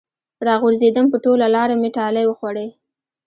راغورځېدم په ټوله لاره مې ټالۍ وخوړې